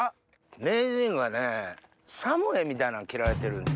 名人がね作務衣みたいなん着られてるんです。